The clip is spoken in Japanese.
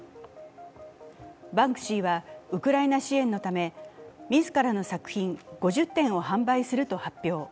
バンクシーはウクライナ支援のため、自らの作品５０点を販売すると発表。